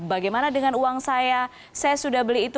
bagaimana dengan uang saya saya sudah beli itu